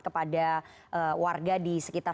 kepada warga di sekitar